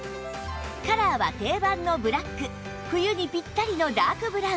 カラーは定番のブラック冬にピッタリのダークブラウン